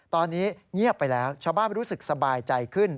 ตอนนี้เงียบไปแล้วชาวบ้านรู้สึกสบายใจขึ้น